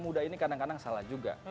muda ini kadang kadang salah juga